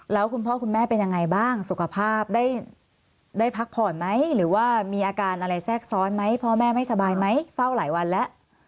แล้วคุณพ่อคุณแม่เป็นยังไงบ้างสุขภาพได้พักผ่อนไหมหรือว่ามีอาการอะไรแทรกซ้อนไหมพ่อแม่ไม่สบายไหมเฝ้าหลายวันแล้ว